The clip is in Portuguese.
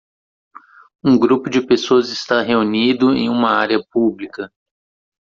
Um grupo de pessoas está reunido em uma área pública.